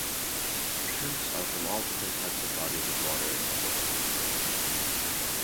Shrimps are from all different types of bodies of water in the world.